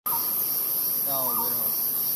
যাও, বের হও।